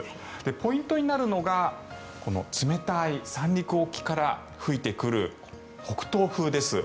ポイントになるのが冷たい三陸沖から吹いてくる北東風です。